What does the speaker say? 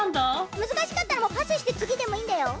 むずかしかったらパスしてつぎでもいいんだよ。